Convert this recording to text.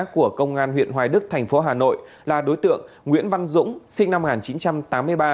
của công an huyện hoài đức thành phố hà nội là đối tượng nguyễn văn dũng sinh năm một nghìn chín trăm tám mươi ba